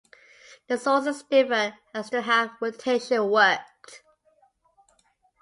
The sources differ as to how the rotation worked.